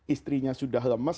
istrinya sudah lemas